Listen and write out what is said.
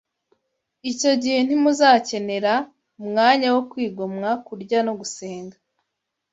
icyo gihe ntimuzakenera umwanya wo kwigomwa kurya no gusenga